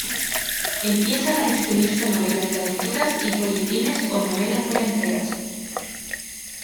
Empiezan a escribirse novelas de aventuras y folletines o novelas por entregas.